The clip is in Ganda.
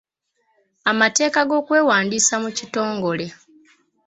Amateeka g'okwewandiisa mu kitongole.